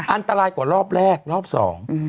อันตรายกว่ารอบแรกรอบสอง